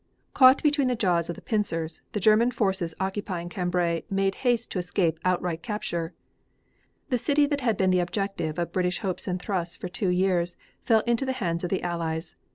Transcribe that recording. Caught between the jaws of the pincers, the German forces occupying Cambrai made haste to escape outright capture. The city that had been the objective of British hopes and thrusts for two years, fell into the hands of the Allies.